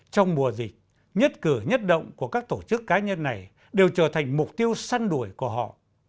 trong mùa dịch nhất cửa nhất động của các tổ chức cá nhân này đều trở thành mục tiêu săn đuổi của họ